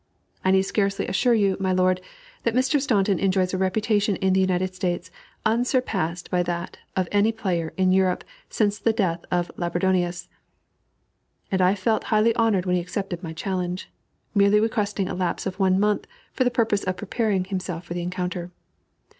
I need scarcely assure you, my lord, that Mr. Staunton enjoys a reputation in the United States unsurpassed by that of any player in Europe since the death of Labourdonnais, and I felt highly honored when he accepted my challenge, merely requesting a lapse of one month for the purpose of preparing himself for the encounter.